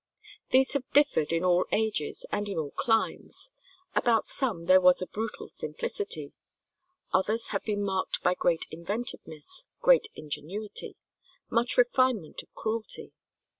These have differed in all ages and in all climes: about some there was a brutal simplicity; others have been marked by great inventiveness, great ingenuity, much refinement of cruelty.